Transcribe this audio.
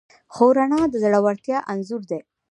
خو رڼا د زړورتیا انځور دی.